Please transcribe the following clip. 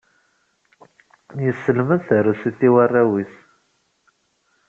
Yesselmed tarusit i warraw-is.